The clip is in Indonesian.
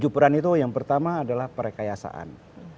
tujuh peran itu yang pertama adalah perkayasaan